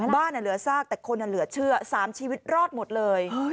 บ้านเหลือซากแต่คนเหลือเชื่อ๓ชีวิตรอดหมดเลย